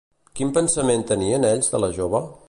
Quin pensament tenien ells de la jove?